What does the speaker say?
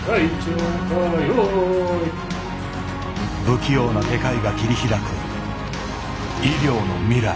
不器用な外科医が切り開く医療の未来。